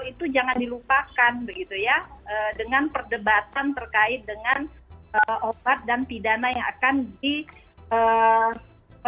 itu jangan dilupakan begitu ya dengan perdebatan terkait dengan obat dan pidana yang akan dilakukan